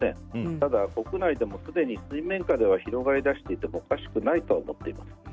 ただ、国内では水面下で広がりだしていてもおかしくないと思っています。